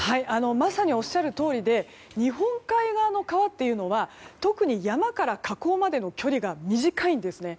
まさにおっしゃるとおりで日本海側の川っていうのは特に山から河口までの距離が短いんですね。